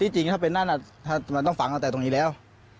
จริงถ้าเป็นนั่นมันต้องฝังตั้งแต่ตรงนี้แล้ว